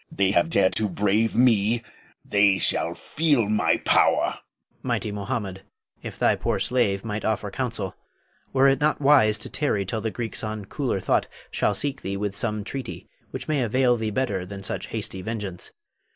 They have dared to brave me, they shall feel my power! Hafiz. Mighty Mohammed, if thy poor slave might offer counsel, were it not wise to tarry till the Greeks on cooler thought shall seek thee with some treaty which may avail thee better than such hasty vengeance.